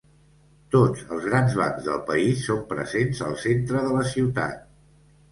Tots els grans bancs del país són presents al centre de la ciutat.